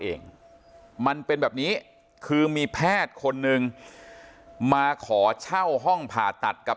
เองมันเป็นแบบนี้คือมีแพทย์คนนึงมาขอเช่าห้องผ่าตัดกับ